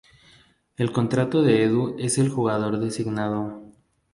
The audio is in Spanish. El contrato de Edu es el de jugador designado.